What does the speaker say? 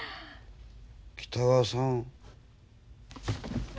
北川さん。